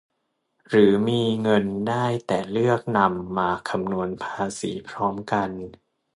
หรือมีเงินได้แต่เลือกนำมาคำนวณภาษีพร้อมกัน